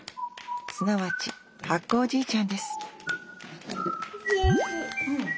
すなわち発酵おじいちゃんです